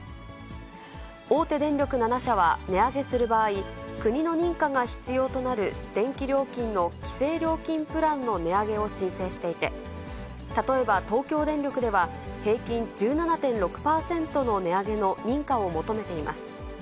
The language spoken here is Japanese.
大手電力７社は、値上げする場合、国の認可が必要となる電気料金の規制料金プランの値上げを申請していて、例えば東京電力では、平均１７．６％の値上げの認可を求めています。